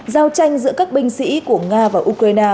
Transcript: giao tranh giữa các binh sĩ của nga và ukraine